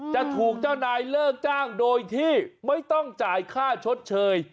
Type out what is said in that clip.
จะถูกเจ้านายเลิกจ้างโดยที่ไม่ต้องจ่ายค่าชดเชย